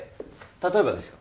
例えばですよ